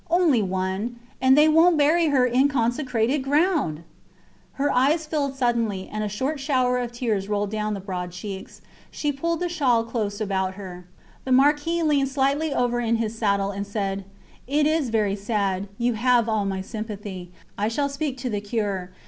Only one! And they wont bury her in consecrated ground! Her eyes filled suddenly, and a short shower of tears rolled down the broad cheeks. She pulled the shawl close about her. The Marquis leaned slightly over in his saddle, and said It is very sad. You have all my sympathy. I shall speak to the Cure.